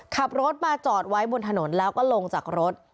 ขับรถมาจอดไว้บนถนนแล้วก็ลงจากรถ